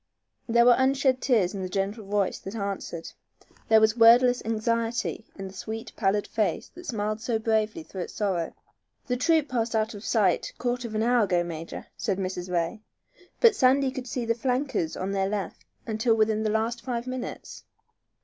There were unshed tears in the gentle voice that answered. There was wordless anxiety in the sweet, pallid face that smiled so bravely through its sorrow. "The troop passed out of sight quarter of an hour ago, major," said Mrs. Ray. "But Sandy could see the flankers on their left until within the last five minutes."